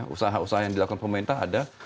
usaha usaha yang dilakukan pemerintah ada